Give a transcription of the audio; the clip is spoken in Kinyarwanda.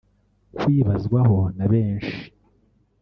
Kwibazwaho na benshi